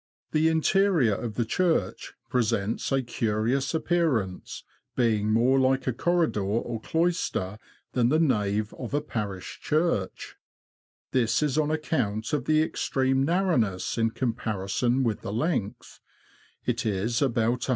The interior of the church presents a curious appear ance, being more like a corridor or cloister than the nave of a parish church ; this is on account of the extreme narrowness in comparison with the length It is about iioft.